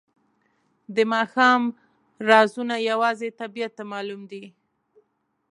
د ماښام رازونه یوازې طبیعت ته معلوم دي.